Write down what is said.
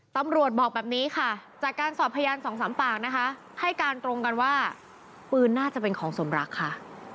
ตำรวจบอกแบบนี้ค่ะจากการสอบพยานสองสามปากนะคะให้การตรงกันว่าปืนน่าจะเป็นของสมรักค่ะ